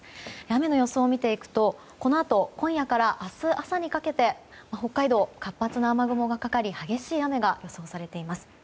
雨の予想を見ていくとこのあと今夜から明日朝にかけて北海道、活発な雨雲がかかり激しい雨が予想されています。